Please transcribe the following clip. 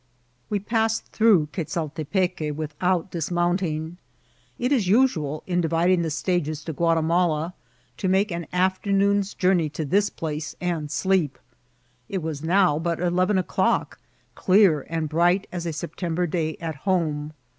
We passed through Quezaltepeque without dionount* ing. It is usual, in dividing the stages to Gruatimala) to make an afternoon's journey to this place and sleep^ It was BOW but eleven o'clock, dear and bright as a September day at home.